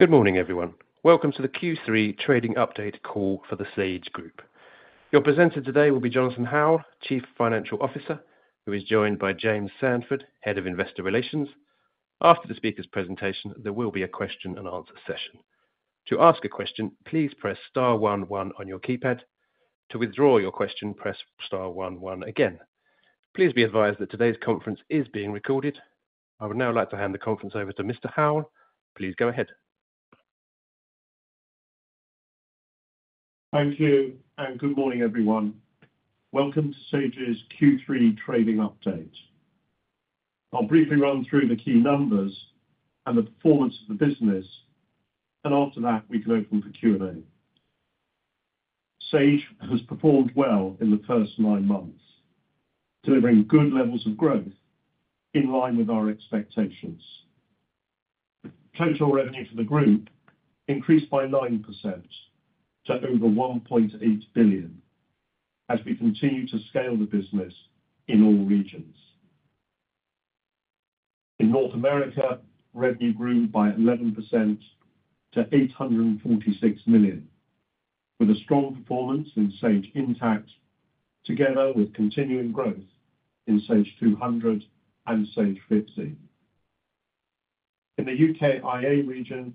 Good morning, everyone. Welcome to the Q3 Trading Update call for The Sage Group. Your presenter today will be Jonathan Howell, Chief Financial Officer, who is joined by James Sanford, Head of Investor Relations. After the speaker's presentation, there will be a question-and-answer session. To ask a question, please press star one one on your keypad. To withdraw your question, press star one one again. Please be advised that today's conference is being recorded. I would now like to hand the conference over to Mr. Howell. Please go ahead. Thank you, and good morning, everyone. Welcome to Sage's Q3 Trading Update. I'll briefly run through the key numbers and the performance of the business. After that, we can open for Q&A. Sage has performed well in the first nine months, delivering good levels of growth in line with our expectations. Total revenue for the group increased by 9% to over 1.8 billion as we continue to scale the business in all regions. In North America, revenue grew by 11% to 846 million, with a strong performance in Sage Intacct, together with continuing growth in Sage 200 and Sage 50. In the United Kingdom, Ireland & Africa region,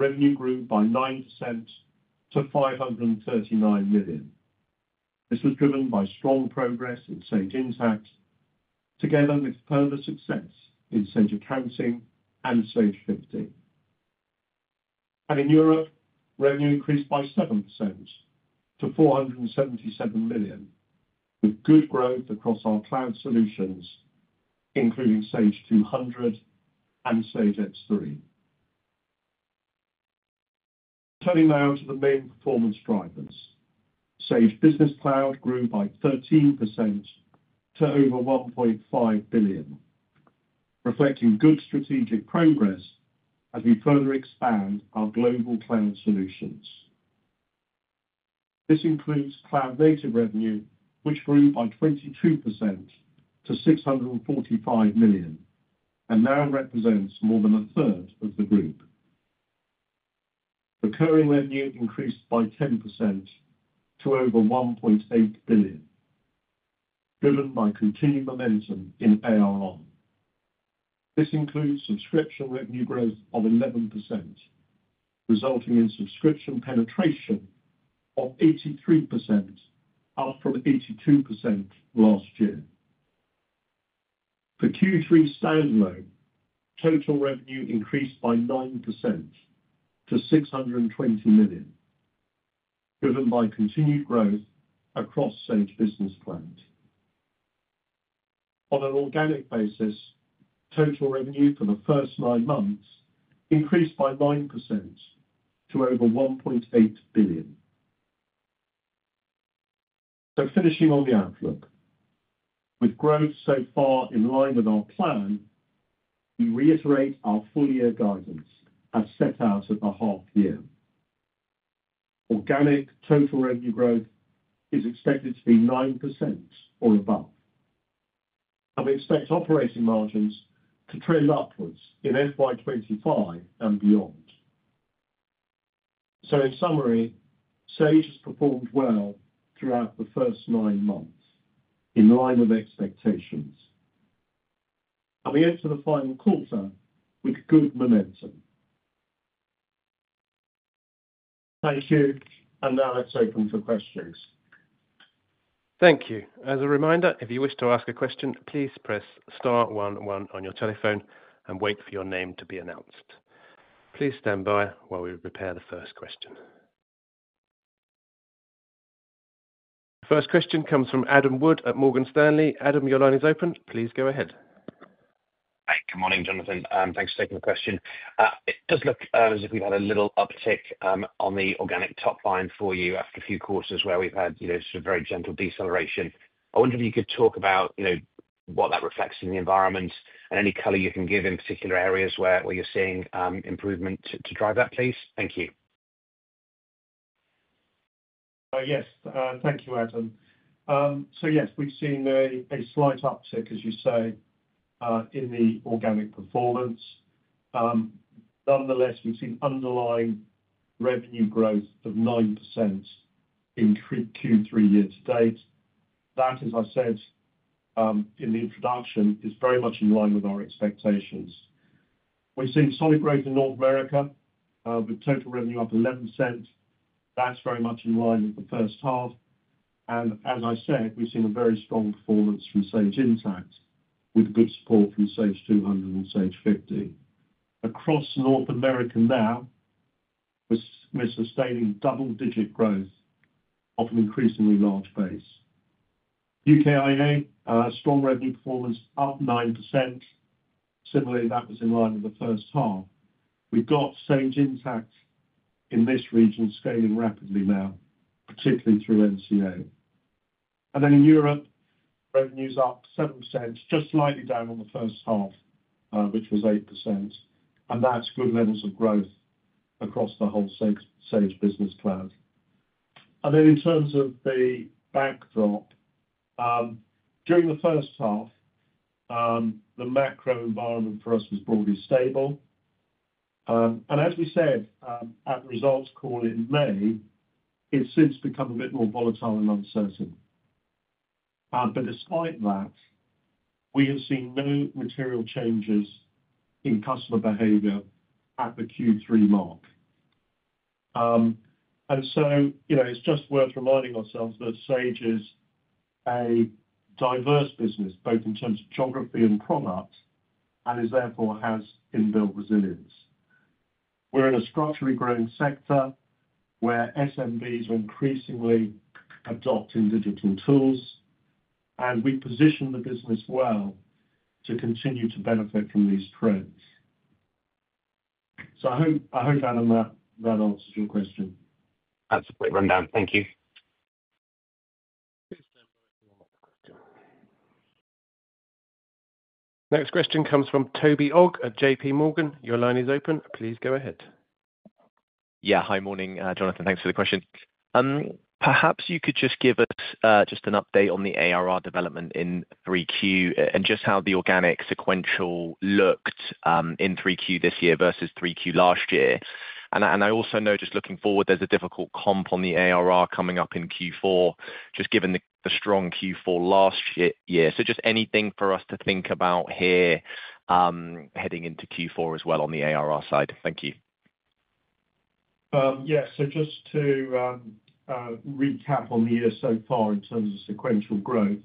revenue grew by 9% to 539 million. This was driven by strong progress in Sage Intacct, together with further success in Sage Accounting and Sage 50. In Europe, revenue increased by 7% to 477 million, with good growth across our cloud solutions, including Sage 200 and Sage X3. Turning now to the main performance drivers. Sage Business Cloud grew by 13% to over 1.5 billion, reflecting good strategic progress as we further expand our global cloud solutions. This includes cloud-native revenue, which grew by 22% to 645 million, and now represents more than a third of the group. Recurring revenue increased by 10% to over 1.8 billion, driven by continued momentum in ARR. This includes subscription revenue growth of 11%, resulting in subscription penetration of 83%, up from 82% last year. For Q3 standalone, total revenue increased by 9% to 620 million, driven by continued growth across Sage Business Cloud. On an organic basis, total revenue for the first nine months increased by 9% to over 1.8 billion. Finishing on the outlook, with growth so far in line with our plan, we reiterate our full-year guidance as set out at the half-year. Organic total revenue growth is expected to be 9% or above, and we expect operating margins to trend upwards in fiscal year 2025 and beyond. In summary, Sage has performed well throughout the first nine months, in line with expectations. We enter the final quarter with good momentum. Thank you, and now let's open for questions. Thank you. As a reminder, if you wish to ask a question, please press star 11 on your telephone and wait for your name to be announced. Please stand by while we prepare the first question. The first question comes from Adam Wood at Morgan Stanley. Adam, your line is open. Please go ahead. Hi, good morning, Jonathan. Thanks for taking the question. It does look as if we've had a little uptick on the organic top line for you after a few quarters where we've had sort of very gentle deceleration. I wonder if you could talk about what that reflects in the environment and any color you can give in particular areas where you're seeing improvement to drive that, please. Thank you. Yes, thank you, Adam. Yes, we've seen a slight uptick, as you say, in the organic performance. Nonetheless, we've seen underlying revenue growth of 9% in Q3 year to date. That, as I said in the introduction, is very much in line with our expectations. We've seen solid growth in North America, with total revenue up 11%. That's very much in line with the first half. As I said, we've seen a very strong performance from Sage Intacct, with good support from Sage 200 and Sage 50. Across North America now, we're sustaining double-digit growth off an increasingly large base. UKIA, strong revenue performance, up 9%. Similarly, that was in line with the first half. We've got Sage Intacct in this region scaling rapidly now, particularly through NCA. In Europe, revenues up 7%, just slightly down on the first half, which was 8%. That's good levels of growth across the whole Sage Business Cloud. In terms of the backdrop, during the first half, the macro environment for us was broadly stable. As we said at the results call in May, it's since become a bit more volatile and uncertain. Despite that, we have seen no material changes in customer behavior at the Q3 mark. It's just worth reminding ourselves that Sage is a diverse business, both in terms of geography and product, and therefore has inbuilt resilience. We're in a structurally growing sector where SMBs are increasingly adopting digital tools, and we position the business well to continue to benefit from these trends. I hope, Adam, that answers your question. Absolutely, rundown. Thank you. Next question comes from Toby Ogg at JPMorgan. Your line is open. Please go ahead. Yeah, hi, morning, Jonathan. Thanks for the question. Perhaps you could just give us just an update on the ARR development in 3Q and just how the organic sequential looked in 3Q this year versus 3Q last year. I also know, just looking forward, there's a difficult comp on the ARR coming up in Q4, just given the strong Q4 last year. Just anything for us to think about here. Heading into Q4 as well on the ARR side. Thank you. Yeah, so just to recap on the year so far in terms of sequential growth.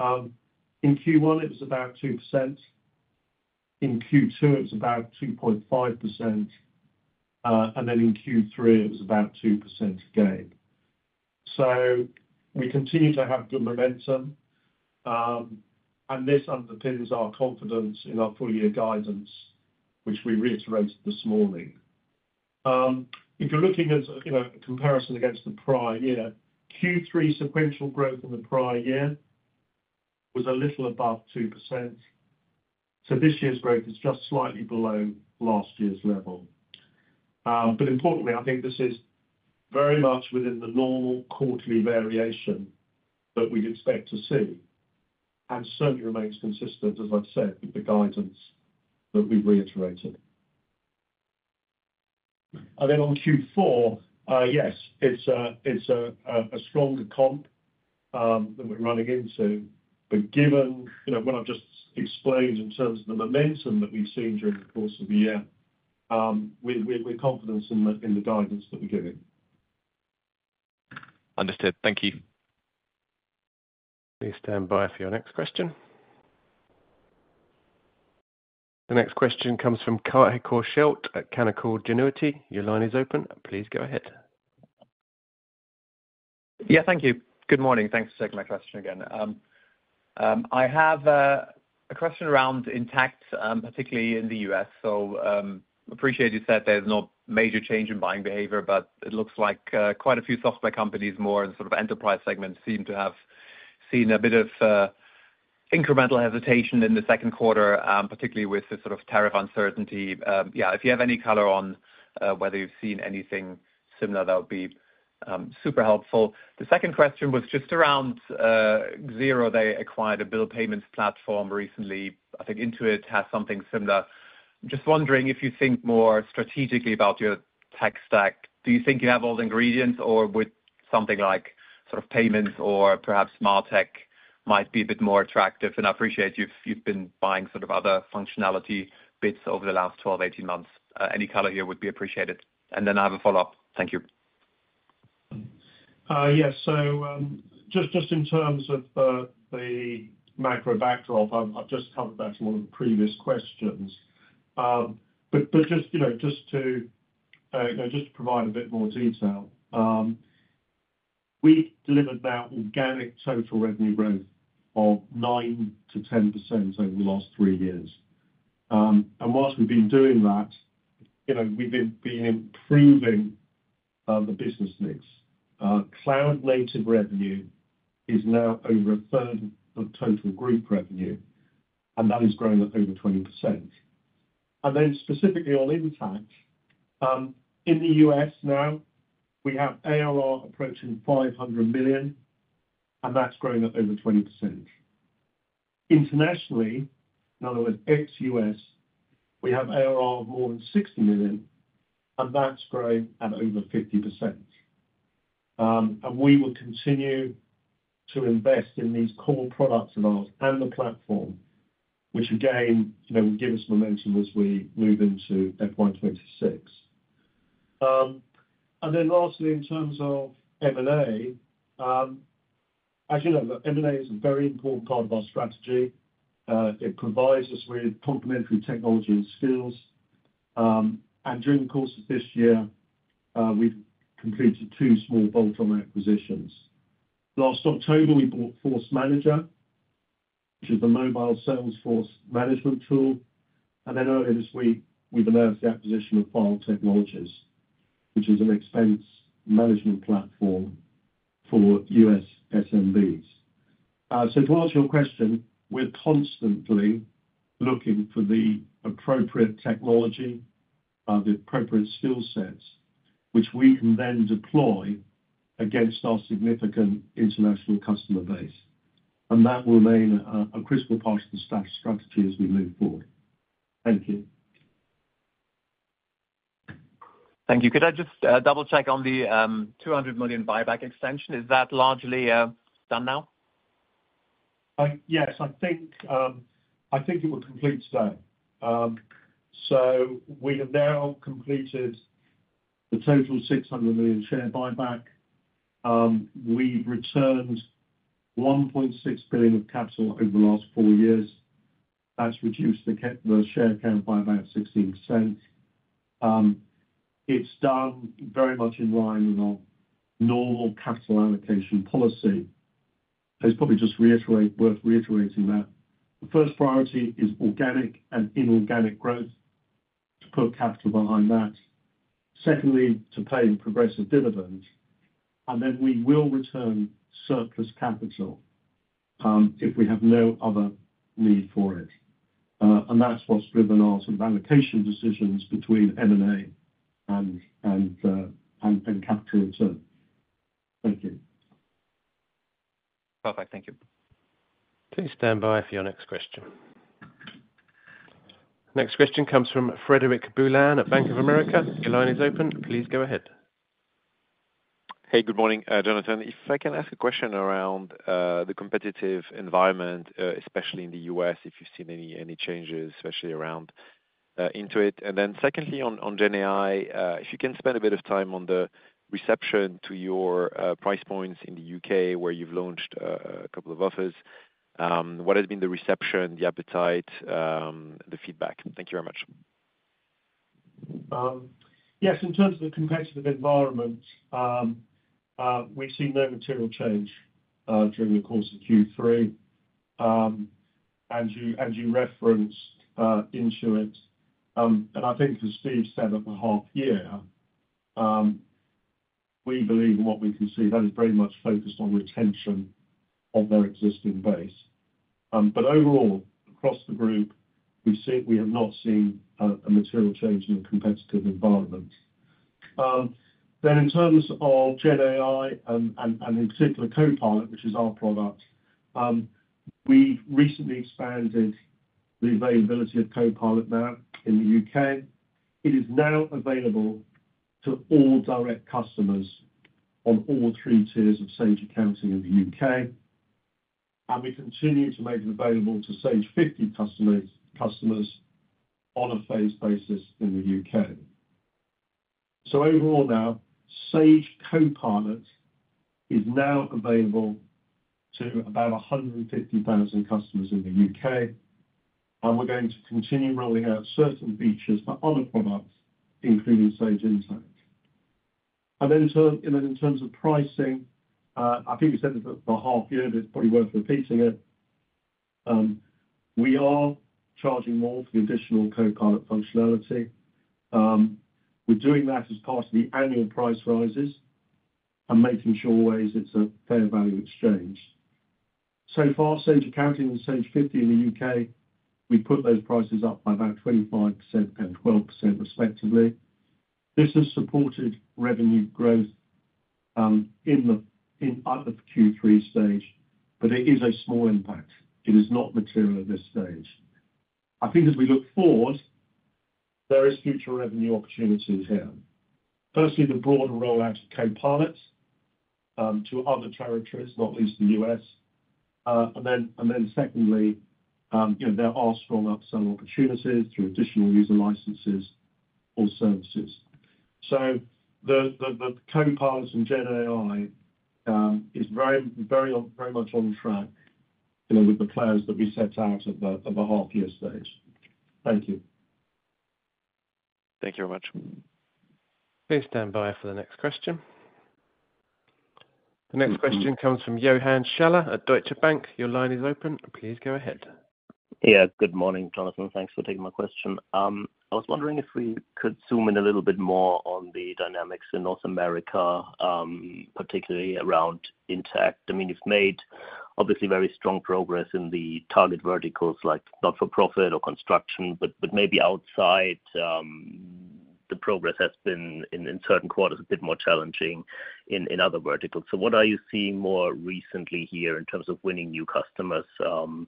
In Q1, it was about 2%. In Q2, it was about 2.5%. In Q3, it was about 2% again. We continue to have good momentum. This underpins our confidence in our full-year guidance, which we reiterated this morning. If you're looking at a comparison against the prior year, Q3 sequential growth in the prior year was a little above 2%. This year's growth is just slightly below last year's level. Importantly, I think this is very much within the normal quarterly variation that we'd expect to see. It certainly remains consistent, as I've said, with the guidance that we've reiterated. On Q4, yes, it's a stronger comp that we're running into. Given what I've just explained in terms of the momentum that we've seen during the course of the year, we're confident in the guidance that we're giving. Understood. Thank you. Please stand by for your next question. The next question comes from Kai Korschelt at Canaccord Genuity. Your line is open. Please go ahead. Yeah, thank you. Good morning. Thanks for taking my question again. I have a question around Intacct, particularly in the U.S. I appreciate you said there's no major change in buying behavior, but it looks like quite a few software companies, more in the sort of enterprise segment, seem to have seen a bit of incremental hesitation in the second quarter, particularly with this sort of tariff uncertainty. If you have any color on whether you've seen anything similar, that would be super helpful. The second question was just around Xero. They acquired a bill payments platform recently. I think Intuit has something similar. Just wondering if you think more strategically about your tech stack. Do you think you have all the ingredients, or would something like sort of payments or perhaps MarTech might be a bit more attractive? I appreciate you've been buying sort of other functionality bits over the last 12-18 months. Any color here would be appreciated. I have a follow-up. Thank you. Yes, so just in terms of the macro backdrop, I've just covered that in one of the previous questions. Just to provide a bit more detail. We've delivered now organic total revenue growth of 9%-10% over the last three years. Whilst we've been doing that, we've been improving the business mix. Cloud-native revenue is now over a third of total group revenue, and that is growing at over 20%. Specifically on Intacct, in the U.S. now, we have ARR approaching $500 million, and that's growing at over 20%. Internationally, in other words, ex-U.S., we have ARR of more than $60 million, and that's growing at over 50%. We will continue to invest in these core products of ours and the platform, which again will give us momentum as we move into FY2026. Lastly, in terms of M&A, as you know, M&A is a very important part of our strategy. It provides us with complementary technology and skills. During the course of this year, we've completed two small bolt-on acquisitions. Last October, we bought ForceManager, which is the mobile salesforce management tool. Earlier this week, we've announced the acquisition of Fyle Technologies, which is an expense management platform for U.S. SMBs. To answer your question, we're constantly looking for the appropriate technology, the appropriate skill sets, which we can then deploy against our significant international customer base. That will remain a critical part of the strategy as we move forward. Thank you. Thank you. Could I just double-check on the 200 million buyback extension? Is that largely done now? Yes, I think. It was complete today. We have now completed the total 600 million share buyback. We have returned 1.6 billion of capital over the last four years. That has reduced the share count by about 16%. It is done very much in line with our normal capital allocation policy. It is probably just worth reiterating that the first priority is organic and inorganic growth, to put capital behind that. Secondly, to pay progressive dividends. We will return surplus capital if we have no other need for it. That is what has driven our sort of allocation decisions between M&A and capital return. Thank you. Perfect. Thank you. Please stand by for your next question. Next question comes from Frederic Boulan at Bank of America. Your line is open. Please go ahead. Hey, good morning, Jonathan. If I can ask a question around the competitive environment, especially in the U.S., if you've seen any changes, especially around Intuit. Then secondly, on GenAI, if you can spend a bit of time on the reception to your price points in the U.K., where you've launched a couple of offers. What has been the reception, the appetite, the feedback? Thank you very much. Yes, in terms of the competitive environment, we've seen no material change during the course of Q3. As you referenced, Intuit. And I think, as Steve said, at the half year, we believe in what we can see, that is very much focused on retention of their existing base. But overall, across the group, we have not seen a material change in the competitive environment. In terms of GenAI and in particular Copilot, which is our product, we've recently expanded the availability of Copilot now in the U.K. It is now available to all direct customers on all three tiers of Sage Accounting in the U.K., and we continue to make it available to Sage 50 customers on a phased basis in the U.K. Overall now, Sage Copilot is now available to about 150,000 customers in the U.K., and we're going to continue rolling out certain features for other products, including Sage Intacct. In terms of pricing, I think you said it for the half year, but it's probably worth repeating it. We are charging more for the additional Copilot functionality. We're doing that as part of the annual price rises and making sure always it's a fair value exchange. So far, Sage Accounting and Sage 50 in the U.K., we've put those prices up by about 25% and 12%, respectively. This has supported revenue growth in the Q3 stage, but it is a small impact. It is not material at this stage. I think as we look forward, there are future revenue opportunities here. Firstly, the broader rollout of Copilot to other territories, not least the U.S., and then secondly, there are strong upsell opportunities through additional user licenses or services. The Copilot and GenAI is very much on track with the plans that we set out at the half-year stage. Thank you. Thank you very much. Please stand by for the next question. The next question comes from Johan Schaller at Deutsche Bank. Your line is open. Please go ahead. Yeah, good morning, Jonathan. Thanks for taking my question. I was wondering if we could zoom in a little bit more on the dynamics in North America. Particularly around Intacct. I mean, you've made obviously very strong progress in the target verticals, like not-for-profit or construction, but maybe outside. The progress has been in certain quarters a bit more challenging in other verticals. What are you seeing more recently here in terms of winning new customers in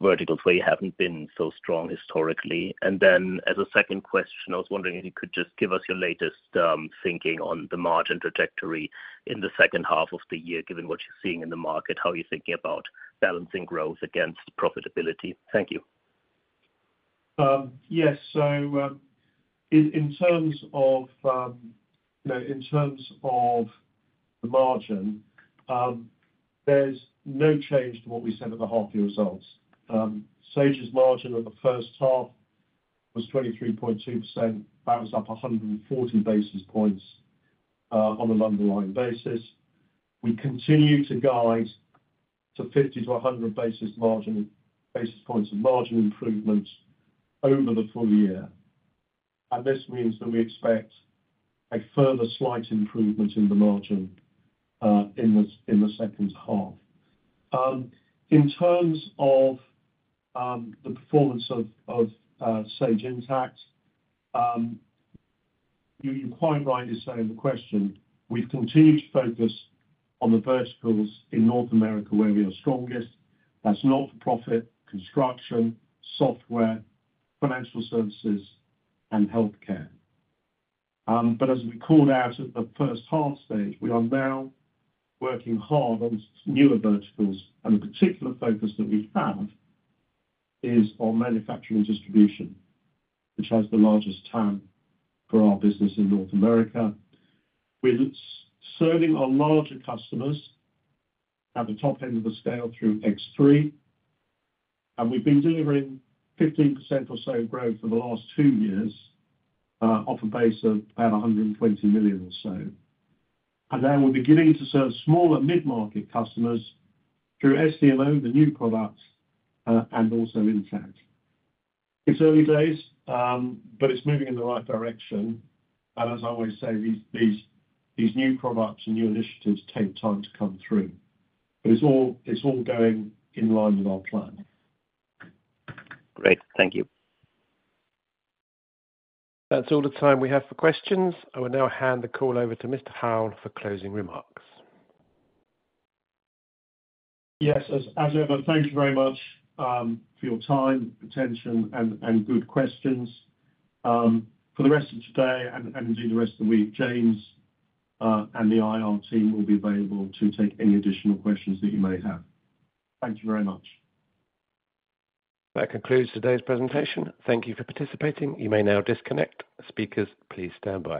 verticals where you haven't been so strong historically? As a second question, I was wondering if you could just give us your latest thinking on the margin trajectory in the second half of the year, given what you're seeing in the market, how you're thinking about balancing growth against profitability. Thank you. Yes, so in terms of the margin, there's no change to what we said at the half-year results. Sage's margin in the first half was 23.2%. That was up 140 basis points on an underlying basis. We continue to guide to 50-100 basis points of margin improvement over the full year. This means that we expect a further slight improvement in the margin in the second half. In terms of the performance of Sage Intacct, you're quite right in saying the question. We've continued to focus on the verticals in North America where we are strongest. That's not-for-profit, construction, software, financial services, and healthcare. As we called out at the first half stage, we are now working hard on newer verticals. The particular focus that we have is on manufacturing distribution, which has the largest time for our business in North America. We're serving our larger customers at the top end of the scale through Sage X3, and we've been delivering 15% or so growth for the last two years off a base of about $120 million or so. Now we're beginning to serve smaller mid-market customers through SDMO, the new products, and also Intacct. It's early days, but it's moving in the right direction. As I always say, these new products and new initiatives take time to come through, but it's all going in line with our plan. Great. Thank you. That's all the time we have for questions. I will now hand the call over to Mr. Howell for closing remarks. Yes, as ever, thank you very much for your time, attention, and good questions. For the rest of today and indeed the rest of the week, James and the IR team will be available to take any additional questions that you may have. Thank you very much. That concludes today's presentation. Thank you for participating. You may now disconnect. Speakers, please stand by.